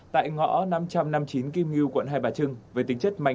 tại ngõ năm trăm năm mươi chín kim nguyên